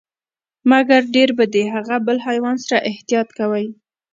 مګر ډیر به د هغه بل حیوان سره احتياط کوئ،